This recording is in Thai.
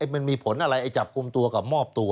มันมีผลอะไรจับกลุ่มตัวกับมอบตัว